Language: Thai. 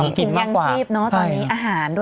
อินยังชีพตอนนี้อาหารด้วย